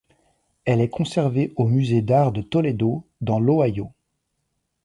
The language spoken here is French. Elle est conservée au musée d'art de Toledo, dans l'Ohio.